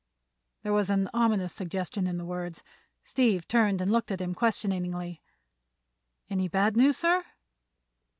There was an ominous suggestion in the words. Steve turned and looked at him questioningly. "Any bad news, sir?"